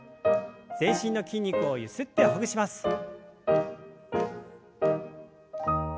全身の筋肉をゆすってほぐします。